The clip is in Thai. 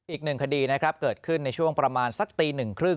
อีกหนึ่งคดีนะครับเกิดขึ้นในช่วงประมาณสักตีหนึ่งครึ่ง